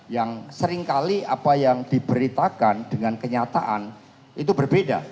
yang seringkali apa yang diberitakan dengan kenyataan itu berbeda